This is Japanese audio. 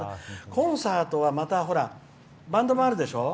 コンサートってバンドもあるでしょ？